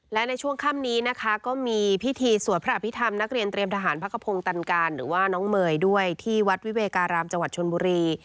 และในช่วงค่ำนี้นะคะก็มีพิธีสวดพระอภิษฐรรมนักเรียนเตรียมทหารพักขพงศ์ตันการหรือว่าน้องเมย์ด้วยที่วัดวิเวการามจังหวัดชนบุรี